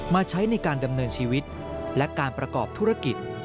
ใช้ในการดำเนินชีวิตและการประกอบธุรกิจ